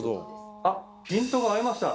あっピントが合いました！